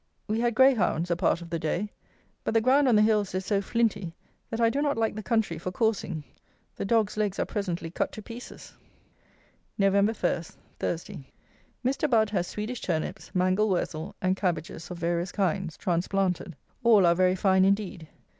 We had greyhounds a part of the day; but the ground on the hills is so flinty, that I do not like the country for coursing. The dogs' legs are presently cut to pieces. Nov. 1. Thursday. Mr. BUDD has Swedish Turnips, Mangel Wurzel, and Cabbages of various kinds, transplanted. All are very fine indeed.